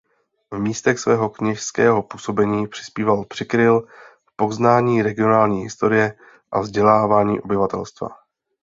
V místech svého kněžského působení přispíval Přikryl k poznání regionální historie a vzdělávání obyvatelstva.